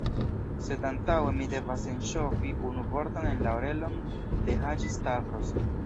Sed antaŭe, mi devas enŝovi unu vorton en la orelon de Haĝi-Stavros.